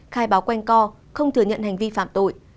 khai báo quanh co không thừa nhận hành vi phạm tội